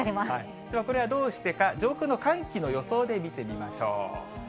ではこれはどうしてか、上空の寒気の予想で見てみましょう。